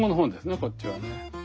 こっちはね。